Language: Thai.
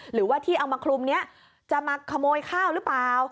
หรือว่าที่เอามาคลุมนี้จะมาขโมยข้าวหรือเปล่า